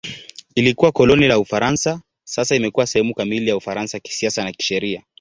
Ilikuwa koloni la Ufaransa; sasa imekuwa sehemu kamili ya Ufaransa kisiasa na kisheria.